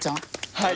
はい。